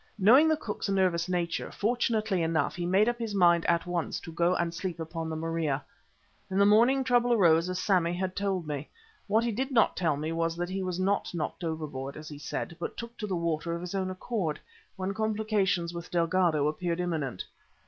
Knowing the cook's nervous nature, fortunately enough he made up his mind at once to go and sleep upon the Maria. In the morning trouble arose as Sammy had told me. What he did not tell me was that he was not knocked overboard, as he said, but took to the water of his own accord, when complications with Delgado appeared imminent.